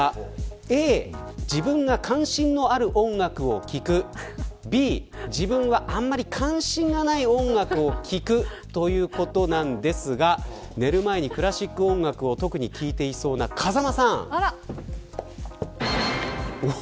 Ａ、自分が関心がある音楽を聴くＢ、自分があまり関心がない音楽を聴くということなんですが寝る前にクラシック音楽を特に聴いていそうな風間さん。